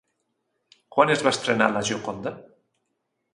Quan es va estrenar La Gioconda?